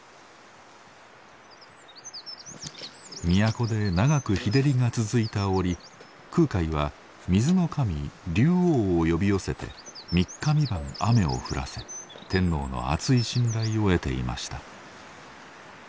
都で長く日照りが続いた折空海は水の神竜王を呼び寄せて三日三晩雨を降らせ天皇のあつい信頼を得ていました。